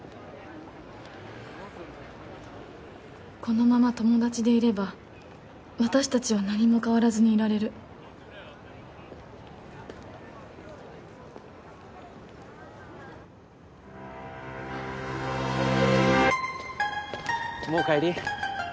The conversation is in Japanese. このまま友達でいれば私達は何も変わらずにいられるもう帰り？